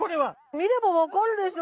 見れば分かるでしょ。